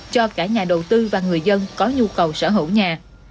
cho cả nhà đầu tư và người dân có nhu cầu sở hữu nhà